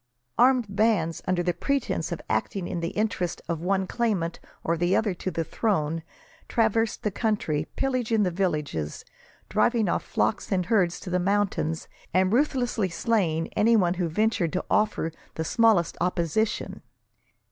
Armed bands, under the pretence of acting in the interest of one claimant or other to the throne, traversed the country, pillaging the villages, driving off flocks and herds to the mountains, and ruthlessly slaying any who ventured to offer the smallest opposition.